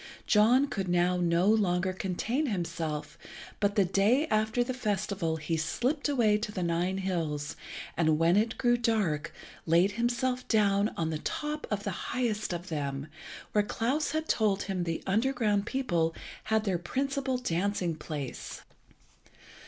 John could now no longer contain himself, but the day after the festival he slipt away to the Nine hills, and when it grew dark laid himself down on the top of the highest of them, where Klas had told him the underground people had their principal dancing place.